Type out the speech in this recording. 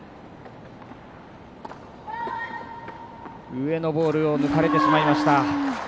上のボールを抜かれてしまいました。